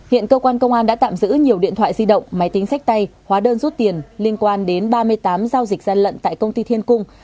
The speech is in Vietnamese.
hiện cơ quan công an đã tạm giữ nhiều điện thoại di động máy tính sách tay hóa đơn rút tiền liên quan đến ba mươi tám giao dịch gian lận tại công ty thiên cung